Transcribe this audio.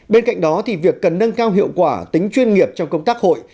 bên cạnh đó việc cần nâng cao hiệu quả tính chuyên nghiệp trong công tác hội